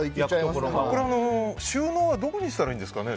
これは収納、どこにしたらいいんですかね。